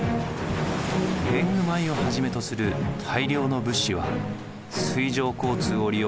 年貢米をはじめとする大量の物資は水上交通を利用して輸送されました。